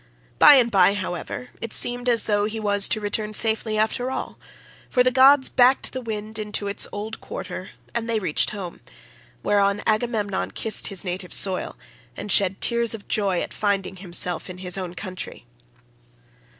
By and by, however, it seemed as though he was to return safely after all, for the gods backed the wind into its old quarter and they reached home; whereon Agamemnon kissed his native soil, and shed tears of joy at finding himself in his own country.